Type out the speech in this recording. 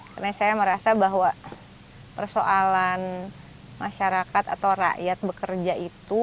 karena saya merasa bahwa persoalan masyarakat atau rakyat bekerja itu